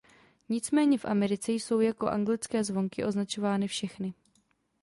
Nicméně v Americe jsou jako anglické zvonky označovány všechny.